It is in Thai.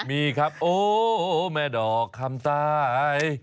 มีครับโอ้แม่ดอกคำใต้